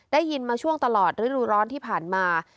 ได้ยินมาช่วงตลอดฤดูร้อนที่ผ่านมา